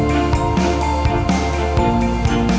mỹ người bắc tấn khai